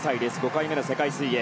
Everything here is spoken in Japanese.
５回目の世界水泳。